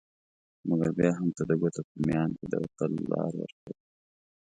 مګر بیا هم ته د ګوتو په میان کي د وتلو لار ورکوي